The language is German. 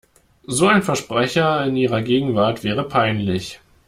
So ein Versprecher in ihrer Gegenwart wäre peinlich.